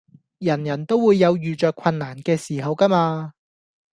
人人都會有遇著困難嘅時候㗎嘛